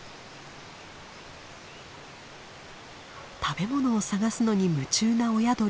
食べ物を探すのに夢中な親鳥。